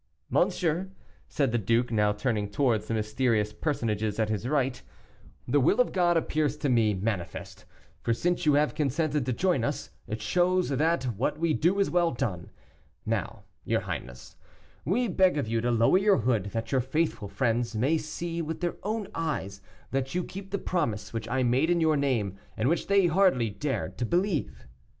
"Monsieur," said the duke, now turning towards the mysterious personages at his right, "the will of God appears to me manifest; for since you have consented to join us, it shows that what we do is well done. Now, your highness, we beg of you to lower your hood, that your faithful friends may see with their own eyes that you keep the promise which I made in your name, and which they hardly dared to believe."